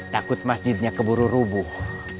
takut masjidnya keburu rubuh